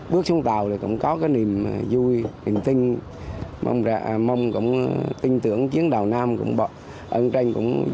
bước xuống tàu thì cũng có cái niềm vui niềm tin mong cũng tin tưởng chuyến đào nam cũng bận